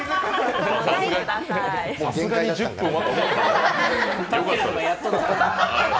さすがに１０分は。